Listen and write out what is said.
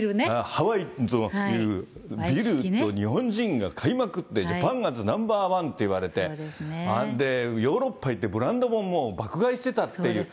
ハワイのビルと日本人が買いまくって、ジャパニーズナンバーワンって言われて、あれ、ヨーロッパ行ってブランドもん爆買いしてたっていう。